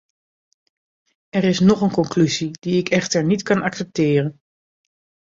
Er is nog een conclusie, die ik echter niet kan accepteren.